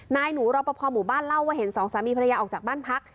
หนูรอปภหมู่บ้านเล่าว่าเห็นสองสามีภรรยาออกจากบ้านพัก